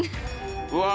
うわ。